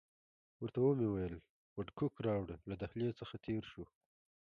ورته ومې ویل وډکوک راوړه، له دهلیز څخه تېر شوو.